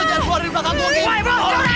hajar terus cowo itu sampe abis